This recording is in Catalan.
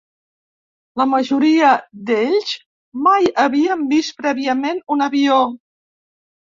La majoria d'ells mai havien vist prèviament un avió.